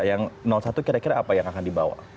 yang satu kira kira apa yang akan dibawa